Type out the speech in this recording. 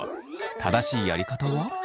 正しいやり方は。